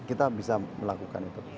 kita bisa melakukan itu